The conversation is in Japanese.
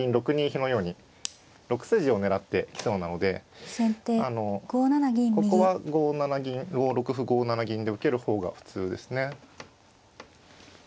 飛のように６筋を狙ってきそうなのであのここは５七銀５六歩５七銀で受ける方が普通ですね。